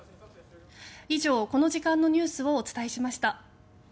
以上、この時間のニュースをお伝えしました。